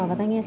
đồng đăng ạ